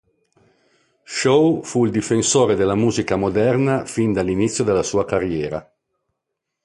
Shaw fu un difensore della musica moderna fin dall'inizio della sua carriera.